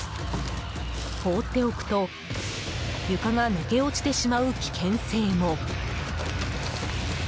放っておくと床が抜け落ちてしまう危険性も。